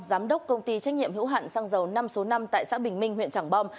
giám đốc công ty trách nhiệm hữu hạn xăng dầu năm số năm tại xã bình minh huyện trảng bom